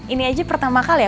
ini aja pertama kali ya